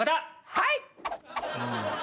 はい！